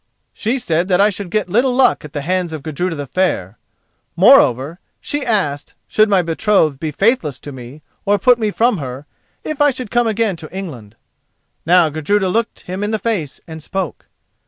"She said that I should get little luck at the hands of Gudruda the Fair. Moreover, she asked, should my betrothed be faithless to me, or put me from her, if I should come again to England." Now Gudruda looked him in the face and spoke.